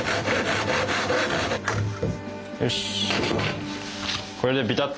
よし。